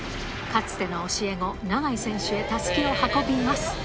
かつての教え子、永井選手へたすきを運びます。